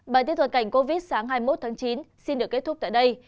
bài tiết thuật cảnh covid một mươi chín sáng hai mươi một tháng chín xin được kết thúc tại đây